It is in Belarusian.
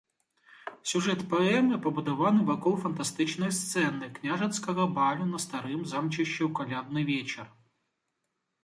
Сюжэт паэмы пабудаваны вакол фантастычнай сцэны княжацкага балю на старым замчышчы ў калядны вечар.